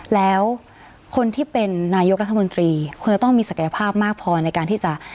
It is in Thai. แล้วคนที่เป็นนายกรัฐมนตรีควรจะต้องมีศักยภาพมากพอในการที่จะ